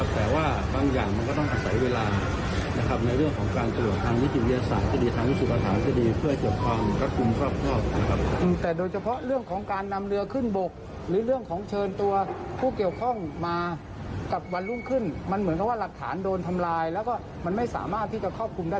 แต่เราก็สามารถสามารถประสูจน์การพิสูจน์คลายคดีได้